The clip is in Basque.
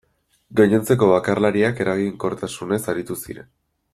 Gainontzeko bakarlariak eraginkortasunez aritu ziren.